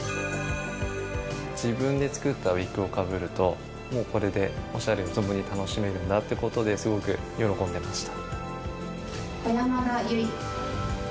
自分で作ったウィッグをかぶると、もうこれで、おしゃれを存分に楽しめるんだってことで、すごく喜んでました。